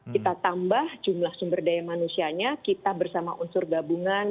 kita tambah jumlah sumber daya manusianya kita bersama unsur gabungan